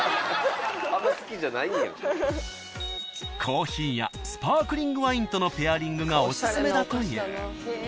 ［コーヒーやスパークリングワインとのペアリングがお薦めだという］